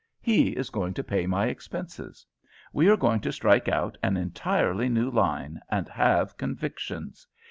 He is going to pay my expenses. We are going to strike out an entirely new line, and have convictions.